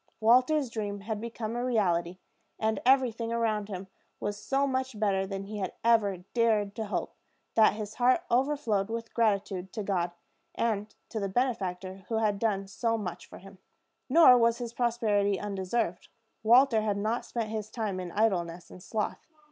Walter's dream had become a reality; and everything around him was so much better than he had ever dared to hope, that his heart overflowed with gratitude to God, and to the benefactor who had done so much for him. Nor was this prosperity undeserved. Walter had not spent his time in idleness and sloth.